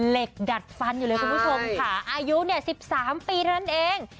เหล็กดัดฟันอยู่เลยคุณผู้ชมค่ะอายุเนี่ย๑๓ปีเท่านั้นเอง